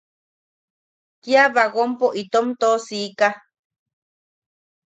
Kia bagonpo itom toʼosika.